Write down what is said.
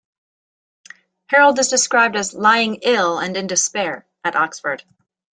Harold is described as lying ill and in despair at Oxford.